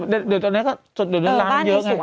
เดี๋ยวตอนเนี้ยล้านเยอะไง